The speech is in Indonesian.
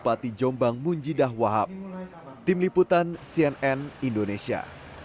bupati jombang munjidah wahab tim liputan cnn indonesia